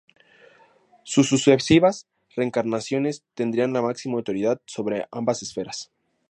Sus sucesivas reencarnaciones tendrían la máxima autoridad sobre ambas esferas.